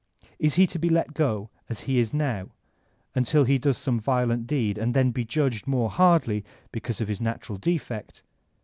Is he to be let go, as he is now, until he does some violent deed and then be judged more hard^ because of his natural defect